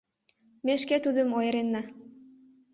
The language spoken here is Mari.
Ме шке тудым ойыренна.